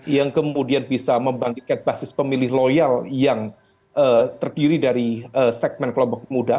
yang kemudian bisa membangkitkan basis pemilih loyal yang terdiri dari segmen kelompok muda